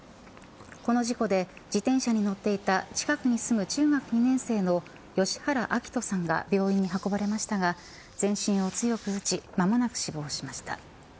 この事故で自転車に乗っていた近くに住む中学２年生の吉原暁冬さんが病院に運ばれましたが全身を強く打ち間もなく死亡しました。